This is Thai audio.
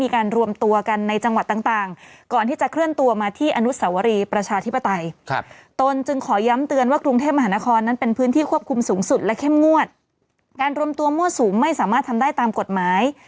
การรวมตัวมวดสูงไม่สามารถทำได้ตามกฎหมาย